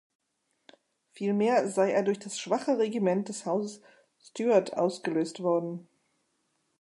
Vielmehr sei er durch das schwache Regiment des Hauses Stuart ausgelöst worden.